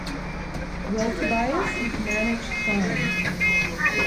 Well, Tobias, you've managed fine.